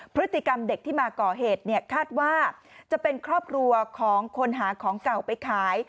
พฤติกรรมเด็กที่มาก่อเหตุเนี่ยคาดว่าจะเป็นครอบครัวของคนหาของเก่าไปขาย